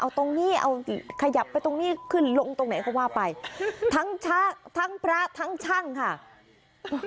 เอาตรงนี้เอาขยับไปตรงนี้ขึ้นลงตรงไหนก็ว่าไปทั้งพระทั้งพระทั้งช่างค่ะ